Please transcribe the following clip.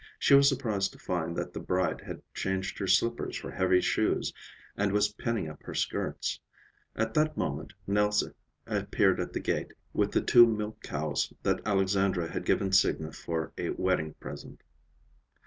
She was surprised to find that the bride had changed her slippers for heavy shoes and was pinning up her skirts. At that moment Nelse appeared at the gate with the two milk cows that Alexandra had given Signa for a wedding present.